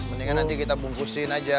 mendingan nanti kita bungkusin aja